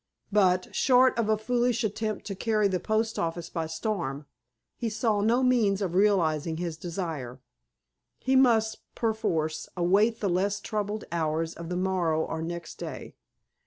But, short of a foolish attempt to carry the post office by storm, he saw no means of realizing his desire. He must, perforce, await the less troubled hours of the morrow or next day.